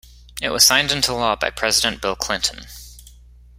It was signed into law by President Bill Clinton.